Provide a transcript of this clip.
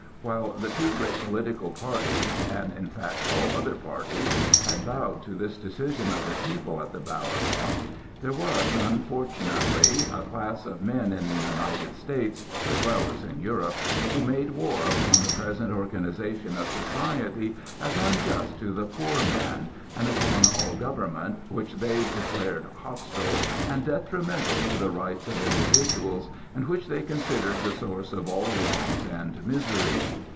While the two great political parties, and in fact all other parties, had bowed to this decision of the people at the ballot box, there was, unfortunately, a class of men in the United States as well as in Europe who made war upon the present organization of society as unjust to the poor man, and upon all government, which they declared hostile and detrimental to the rights of individuals, and which they considered the source of all wrongs and miseries.